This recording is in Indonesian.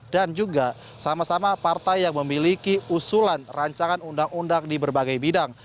dan juga sama sama partai yang memiliki usulan rancangan undang undang di berbagai bidang